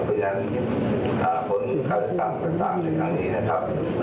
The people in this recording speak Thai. เพราะฉะนั้นภลาธรรมก็ตามเป็นครั้งนี้นะครับ